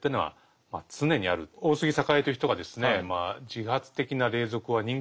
大杉栄という人がですね